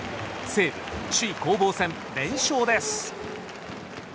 西武、首位攻防戦連勝です。